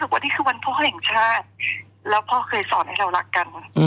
สำนึกผิดทุกอย่างแล้วแต่วันไม่จบไม่จบอะไรอย่างนี้ใช่ไหม